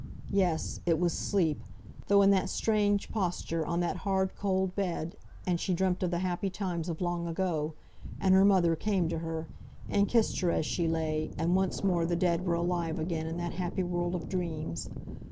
Yes! it was sleep, though in that strange posture, on that hard cold bed; and she dreamt of the happy times of long ago, and her mother came to her, and kissed her as she lay, and once more the dead were alive again in that happy world of dreams.